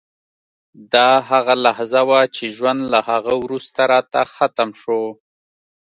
دا هغه لحظه وه چې ژوند له هغه وروسته راته ختم شو